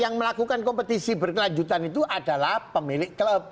yang melakukan kompetisi berkelanjutan itu adalah pemilik klub